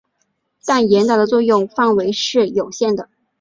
但严打的作用范围是有限的。